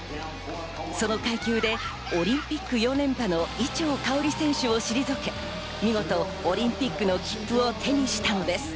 その階級でオリンピック４連覇の伊調馨選手を退け、見事、オリンピックの切符を手にしたのです。